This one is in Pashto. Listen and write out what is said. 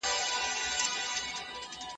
لاس مينځه.